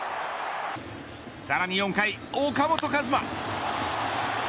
さらに４回、岡本和真。